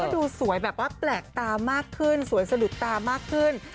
ดูสวยแบบว่าแปลกตามากขึ้นสวยสะดุดตามากขึ้น